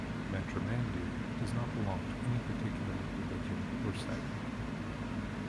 Matrimandir does not belong to any particular religion or sect.